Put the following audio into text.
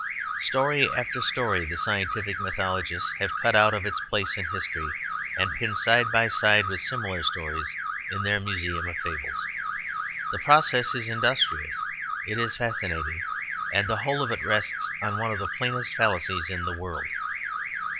Story after story the scientific mythologists have cut out of its place in history, and pinned side by side with similar stories in their museum of fables. The process is industrious, it is fascinating, and the whole of it rests on one of the plainest fallacies in the world.